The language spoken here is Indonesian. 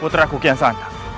putra kukian santang